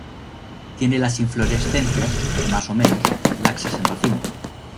Tiene las inflorescencias, más o menos, laxas en racimo.